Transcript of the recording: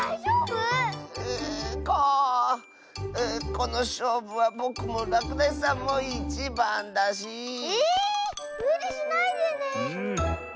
このしょうぶはぼくもらくだしさんもいちばんだし。えむりしないでね。